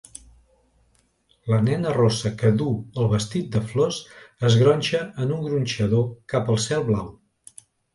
La nena rossa que duu el vestit de flors es gronxa en un gronxador cap al cel blau